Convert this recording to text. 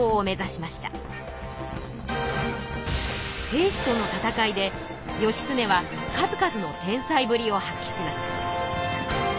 平氏との戦いで義経は数々の天才ぶりを発揮します。